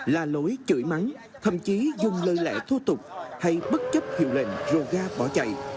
là lối chửi mắng thậm chí dùng lời lẽ thô tục hay bất chấp hiệu lệnh rồ ga bỏ chạy